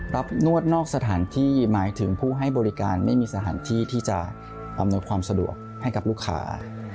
นวดนอกสถานที่หมายถึงผู้ให้บริการไม่มีสถานที่ที่จะอำนวยความสะดวกให้กับลูกค้า